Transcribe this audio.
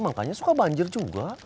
makanya suka banjir juga